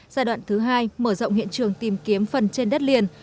giai đoạn thứ hai mở rộng hiện trường tìm kiếm phần trên đất liền